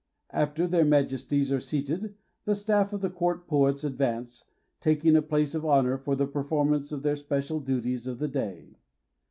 After their Majesties are seated the Staff of Court Poets ad vance, taking a place of honor for the performance of their special duties of the day.